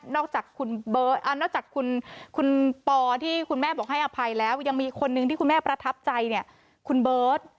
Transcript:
นอกจากคุณปอที่คุณแม่บอกให้อภัยแล้วยังมีอีกคนนึงที่คุณแม่ประทับใจเนี่ยคุณเบิร์ต